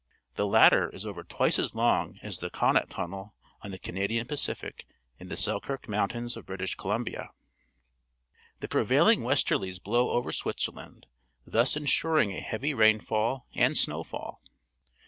The latter is over twice as long as the Connaught tunnel on the Canadian Pacific in the Selkirk Mountains of British Columbia. The prevaihng westerlies blow over Switz erland, thus ensuring a heavy rainfall and snowfall.